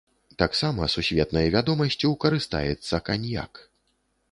Таксама сусветнай вядомасцю карыстаецца каньяк.